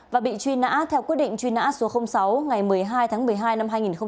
và bị truy nã theo quyết định truy nã số sáu ngày một mươi hai tháng một mươi hai năm hai nghìn một mươi